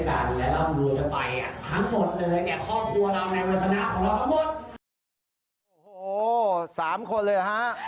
แม่แม่เหมือนป๊าเลย